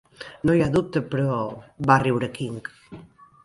"No hi ha dubte, però ..." va riure King.